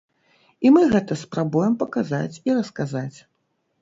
І мы гэта спрабуем паказаць і расказаць.